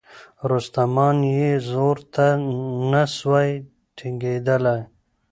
رستمان یې زور ته نه سوای ټینګېدلای